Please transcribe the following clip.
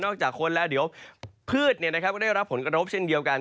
จากคนแล้วเดี๋ยวพืชก็ได้รับผลกระทบเช่นเดียวกัน